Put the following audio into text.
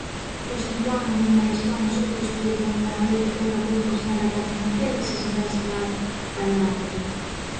Kui sinu plaan on minna Hispaania suvituspiirkonda ja veeta terve puhkus neljatärnihotellis, siis on tõesti vaja palju raha koguda.